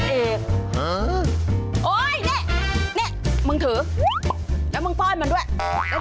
อื้อฮือเข้าเข้าข้างในนะคุณ